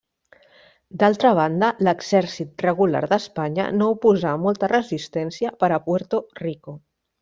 D'altra banda, l'exèrcit regular d'Espanya no oposà molta resistència per a Puerto Rico.